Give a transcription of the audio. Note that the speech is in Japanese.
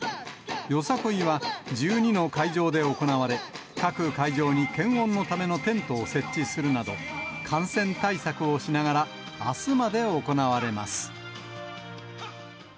よさこいは１２の会場で行われ、各会場に検温のためのテントを設置するなど、感染対策をしながら、あすまで行われます。